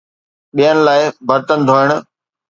ٻين لاءِ برتن ڌوئڻ